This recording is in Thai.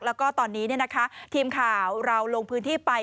แล้วก็ตอนนี้ทีมข่าวเราลงพื้นที่ไป